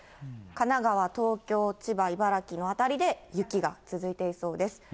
神奈川、東京、千葉、茨城の辺りで雪が続いていそうです。